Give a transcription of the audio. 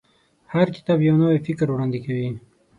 هر کتاب یو نوی فکر وړاندې کوي.